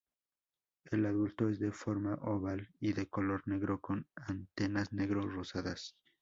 El adulto es de forma oval y de color negro con antenas negro rosadas.